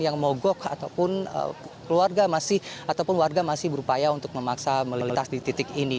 yang mogok ataupun keluarga masih berupaya untuk memaksa melintas di titik ini